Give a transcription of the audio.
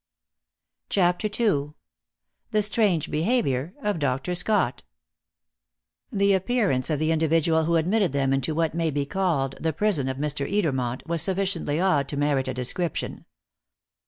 '" CHAPTER II. THE STRANGE BEHAVIOUR OF DR. SCOTT. The appearance of the individual who admitted them into what may be called the prison of Mr. Edermont was sufficiently odd to merit a description.